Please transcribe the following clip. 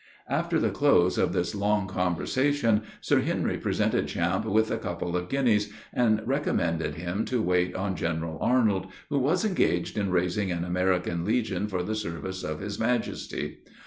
After the close of this long conversation, Sir Henry presented Champe with a couple of guineas, and recommended him to wait on General Arnold, who was engaged in raising an American legion for the service of his majesty.